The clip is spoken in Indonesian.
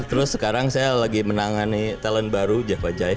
terus sekarang saya lagi menangani talent baru java jai